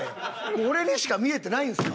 俺にしか見えてないんですか？